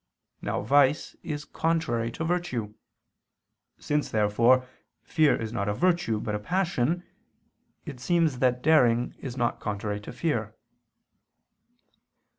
Now vice is contrary to virtue. Since, therefore, fear is not a virtue but a passion, it seems that daring is not contrary to fear.